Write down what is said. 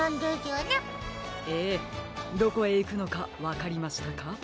ええどこへいくのかわかりましたか？